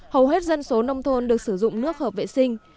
hầu hết dân số nông thôn được sử dụng nước hợp vệ sinh